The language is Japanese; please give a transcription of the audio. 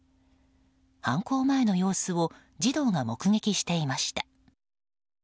犯行前の様子を児童が目撃していました。